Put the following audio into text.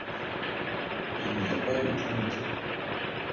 Il n'y a pas de tourniquets.